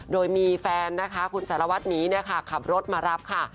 โดยมีแฟนนะคะคุณสารวัตรหมีเนี่ยค่ะขับรถมารับค่ะ